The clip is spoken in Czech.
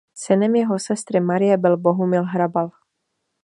Synem jeho sestry Marie byl Bohumil Hrabal.